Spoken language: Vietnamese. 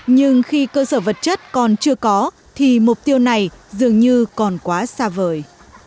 nhưng khi cơ sở vật chất còn chưa có thì mục tiêu này dường như còn quá xa vời